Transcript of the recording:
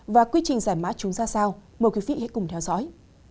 và quy trình giải mã chúng ra sao mời quý vị hãy cùng theo dõi